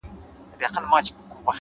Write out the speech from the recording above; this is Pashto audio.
زما د زما د يار راته خبري کوه ـ